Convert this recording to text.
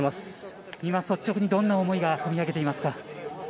今率直にどんな思いがこみ上げていますか？